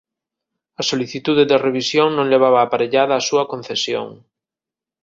A solicitude de revisión non levaba aparellada a súa concesión.